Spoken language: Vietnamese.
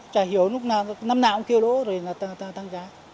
chả hiểu lúc nào năm nào cũng kêu lỗ rồi là tăng giá